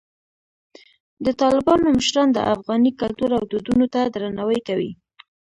د طالبانو مشران د افغاني کلتور او دودونو ته درناوی کوي.